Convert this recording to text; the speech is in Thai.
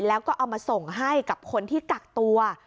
แล้วก็เอามาส่งให้กับคนที่กักตัว